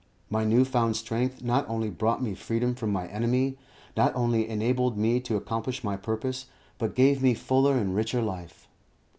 My new found strength not only brought me freedom from my enemy, not only enabled me to accomplish my purpose, but gave me fuller and richer life.